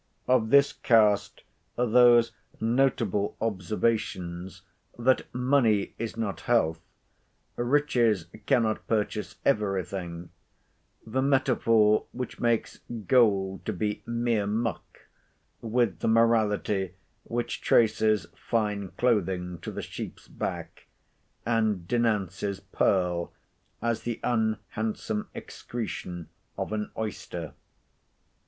Of this cast are those notable observations, that money is not health; riches cannot purchase every thing: the metaphor which makes gold to be mere muck, with the morality which traces fine clothing to the sheep's back, and denounces pearl as the unhandsome excretion of an oyster.